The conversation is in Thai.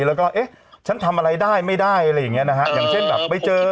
แล้วก็เอ๊ะฉันทำอะไรได้ไม่ได้อย่างเช่นไม่เจอ